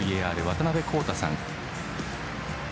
ＶＡＲ渡辺康太さん。